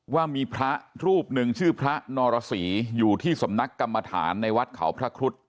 ว่ามีพระรูปหนึ่งชื่อพระนรสีอยู่ที่สำนักกรรมฐานในวัดเขาพระครุฑ